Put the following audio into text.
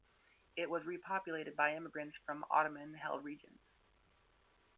It was repopulated by immigrants from Ottoman held regions.